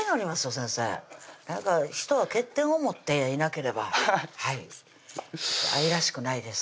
先生人は欠点を持っていなければ愛らしくないです